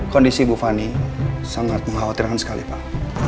kondisi ibu fani sangat mengkhawatirkan sekali pak